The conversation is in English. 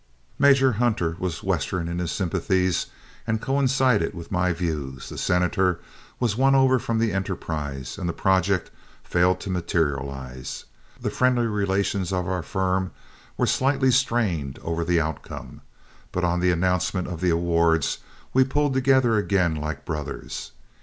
Major Hunter was Western in his sympathies and coincided with my views, the Senator was won over from the enterprise, and the project failed to materialize. The friendly relations of our firm were slightly strained over the outcome, but on the announcement of the awards we pulled together again like brothers.